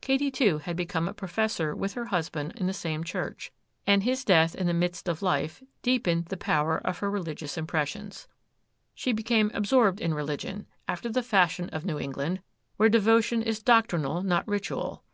Katy, too, had become a professor with her husband in the same church, and his death, in the midst of life, deepened the power of her religious impressions. She became absorbed in religion, after the fashion of New England, where devotion is doctrinal, not ritual.